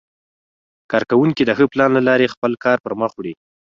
کارکوونکي د ښه پلان له لارې خپل کار پرمخ وړي